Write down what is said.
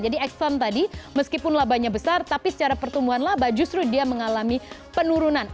jadi exxon tadi meskipun labanya besar tapi secara pertemuan laba justru dia mengalami penurunan